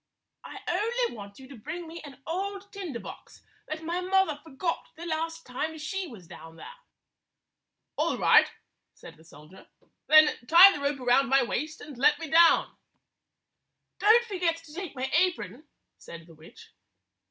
I only want you to bring me an old tinder box that my mother forgot the last time she was down there." "All right," said the soldier. "Then tie the rope around my waist and let me down." 163 "Don't forget to take my apron," said the witch.